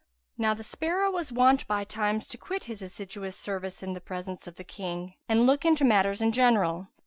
Now the sparrow was wont by times to quit his assiduous serve in the presence and look into matters in general.